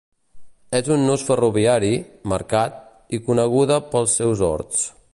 És un nus ferroviari, mercat, i coneguda pels seus horts.